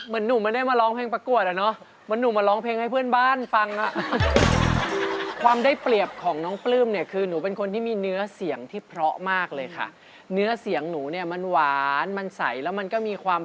เกื้นปักครรุงงานที่รุ่นนี้เนี่ยอาจจะไม่ค่อยได้แม่นจังหวะเท่าไหร่ใช่มั้ยคะ